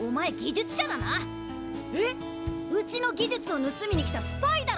うちの技術をぬすみに来たスパイだろ！